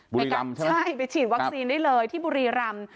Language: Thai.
บุรีรำใช่ไหมใช่ไปฉีดวัคซีนได้เลยที่บุรีรำ